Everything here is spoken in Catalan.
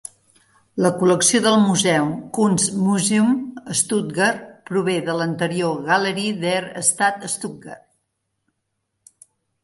La col·lecció del museu Kunstmuseum Stuttgart prové de l'anterior "Galerie der Stadt Stuttgart".